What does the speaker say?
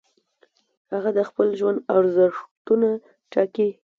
هغه د خپل ژوند ارزښتونه ټاکي.